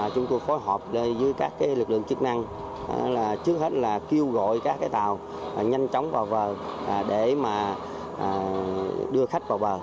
chúng tôi phối hợp với các lực lượng chức năng trước hết là kêu gọi các tàu nhanh chóng vào bờ để đưa khách vào bờ